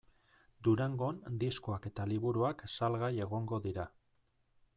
Durangon diskoak eta liburuak salgai egongo dira.